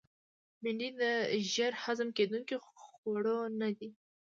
بېنډۍ د ژر هضم کېدونکو خوړو نه ده